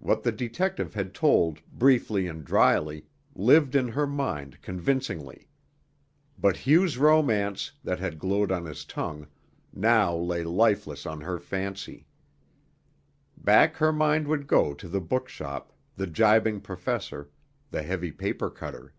What the detective had told, briefly and dryly, lived in her mind convincingly; but Hugh's romance, that had glowed on his tongue, now lay lifeless on her fancy. Back her mind would go to the bookshop, the gibing professor, the heavy paper cutter.